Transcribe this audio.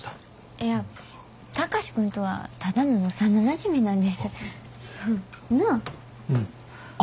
いや貴司君とはただの幼なじみなんです。なあ？